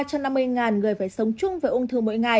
hơn ba trăm năm mươi người phải sống chung với uống thư mỗi ngày